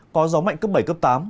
có gió mạnh cấp bảy cấp tám